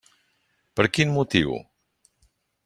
Per quin motiu?